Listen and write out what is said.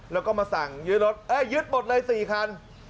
แล้วก็มาสั่งยึดรถยึดหมดเลย๔คัน